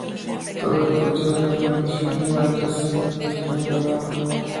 Todo el techo de las naves es de madera, siendo la cabecera abovedada.